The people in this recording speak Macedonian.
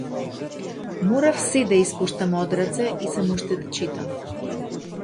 Морав сѐ да испуштам од раце и само уште да читам.